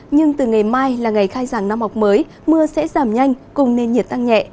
nhưng từ ngày mai là ngày khai giảng năm học mới mưa sẽ giảm nhanh cùng nền nhiệt tăng nhẹ